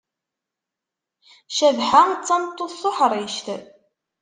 Cabḥa d tameṭṭut tuḥrict.